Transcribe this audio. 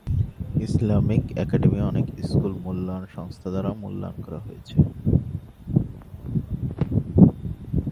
Islamic academy অনেক school মূল্যায়ন সংস্থা দ্বারা মূল্যায়ন করা হয়েছে।